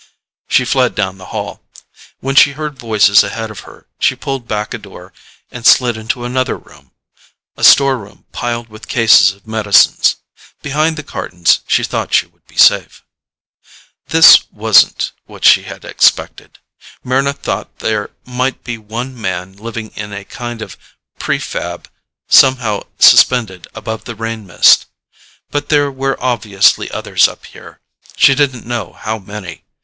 She fled down the hall. When she heard voices ahead of her, she pulled back a door and slid into another room a storeroom piled with cases of medicines. Behind the cartons she thought she would be safe. This wasn't what she had expected. Mryna thought there might be one man living in a kind of prefab somehow suspended above the rain mist. But there were obviously others up here; she didn't know how many.